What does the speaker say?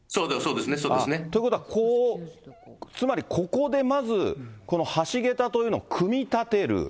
ということは、つまりここでまず、この橋桁というのを組み立てる。